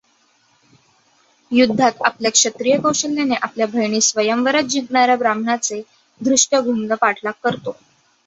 युद्धात आपल्या क्षत्रीय कौशल्याने आपल्या बहिणीस स्वंमवरात जिंकणाऱ्या ब्राह्मणाचे धृष्टद्युम्न पाठलाग करतो.